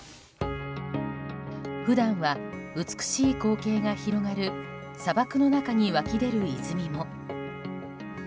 普段は美しい光景が広がる砂漠の中に湧き出る泉も。